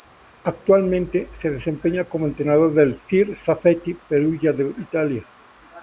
Actualmente, se desempeña como entrenador del Sir Safety Perugia de Italia.